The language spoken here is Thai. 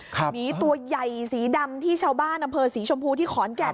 หมีตัวใหญ่สีดำที่ชาวบ้านอำเภอศรีชมพูที่ขอนแก่น